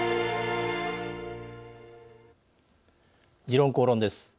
「時論公論」です。